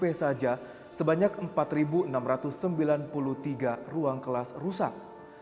di jenjang smp saja sebanyak empat enam ratus sembilan puluh tiga ruang kelas rusak